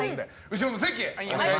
後ろの席へ。